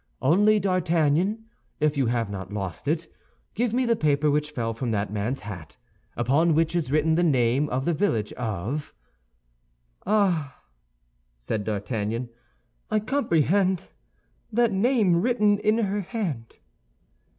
Only, D'Artagnan, if you have not lost it, give me the paper which fell from that man's hat, upon which is written the name of the village of—" "Ah," said D'Artagnan, "I comprehend! that name written in her hand."